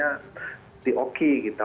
dan mestinya forumnya di oki kita